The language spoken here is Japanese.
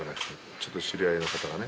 ちょっと知り合いの方がね。